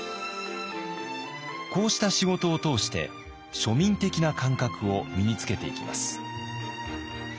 こうした仕事を通して庶民的な感覚を身につけていきます。